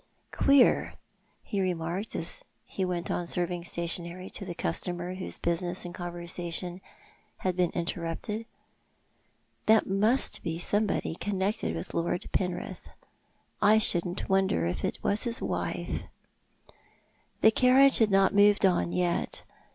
" Queer," he remarked, as he went on serving stationery to the customer whose business and conversation had been inter rupted. " That must be somebody connected with Lord Penrith. I shouldn't wonder if it was his wife." The carriage had not moved on yet.